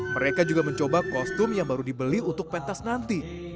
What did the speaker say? mereka juga mencoba kostum yang baru dibeli untuk pentas nanti